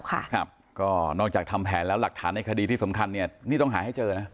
ครับก็นอกจากทำแผนแล้วหลักฐานในคดีที่สำคัญเนี่ยนี่ต้องหาให้เจอนะ